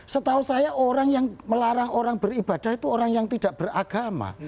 setahu saya orang yang melarang orang beribadah itu orang yang tidak beragama